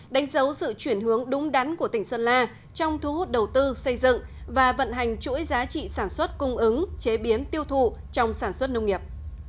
đánh dấu sự chuyển hướng đúng đắn của tỉnh sơn la trong thu hút đầu tư xây dựng và vận hành chuỗi giá trị sản xuất cung ứng chế biến tiêu thụ trong sản xuất nông nghiệp